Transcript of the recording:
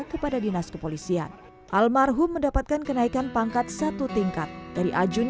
kepada dinas kepolisian almarhum mendapatkan kenaikan pangkat satu tingkat dari ajun